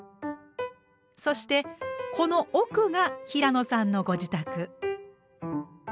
そしてこの奥が平野さんのご自宅。